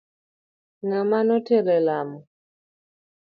Ng'ama notelo elamo.